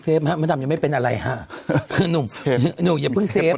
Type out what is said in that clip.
ฮะมดดำยังไม่เป็นอะไรฮะคือหนุ่มเฟฟหนุ่มอย่าเพิ่งเฟฟ